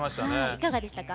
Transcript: いかがでしたか？